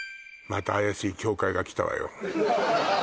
また怪しい協会が来たわよ